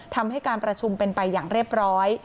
ทำให้การประชุมเป็นไปอย่างเรียบร้อย